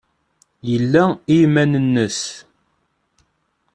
Yella i yiman-nnes.